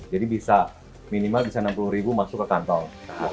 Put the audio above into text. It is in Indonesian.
jadi bisa minimal rp enam puluh masuk ke kantong